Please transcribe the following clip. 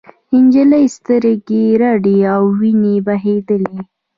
نجلۍ سترګې رډې او وینې بهېدلې.